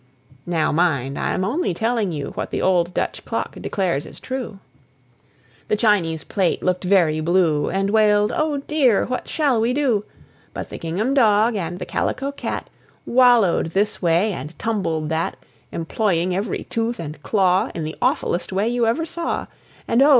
(Now mind: I'm only telling you What the old Dutch clock declares is true!) The Chinese plate looked very blue, And wailed, "Oh, dear! what shall we do!" But the gingham dog and the calico cat Wallowed this way and tumbled that, Employing every tooth and claw In the awfullest way you ever saw And, oh!